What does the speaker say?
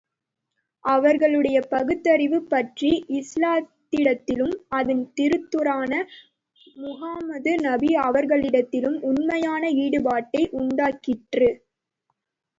அவர்களுடைய பகுத்தறிவுப் பற்று இஸ்லாத்திடத்திலும், அதன் திருத்தூதரான முஹம்மது நபி அவர்களிடத்திலும் உண்மையான ஈடுபாட்டை உண்டாக்கிற்று.